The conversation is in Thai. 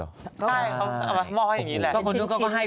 ใช่เขามอล้อยอย่างนี้แหละ